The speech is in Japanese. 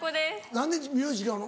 何で名字違うの？